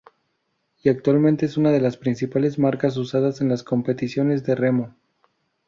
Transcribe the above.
Y actualmente es una de las principales marcas usadas en las competiciones de remo.